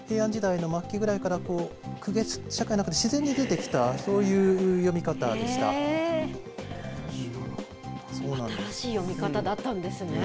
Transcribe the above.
平安時代の末期ぐらいから公家社会の中で自然に増えてきた新しい読み方だったんですね。